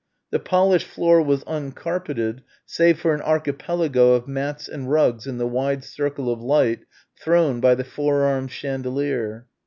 The polished floor was uncarpeted save for an archipelago of mats and rugs in the wide circle of light thrown by the four armed chandelier.